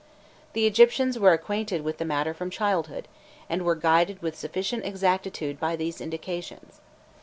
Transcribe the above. The Egyptians were acquainted with the matter from childhood, and were guided with sufficient exactitude by these indications.